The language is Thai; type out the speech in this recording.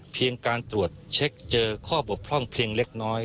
เพียงการตรวจเช็คเจอข้อบกพร่องเพียงเล็กน้อย